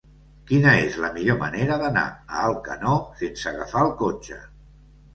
Quina és la millor manera d'anar a Alcanó sense agafar el cotxe?